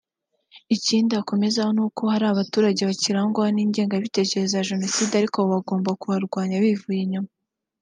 Ikindi akomozaho ni uko hari abaturage bakirangwa n’ingengabiterezo ya Jenoside ariko abo bagomba kubarwanya bivuye inyuma